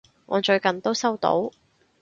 我最近都收到！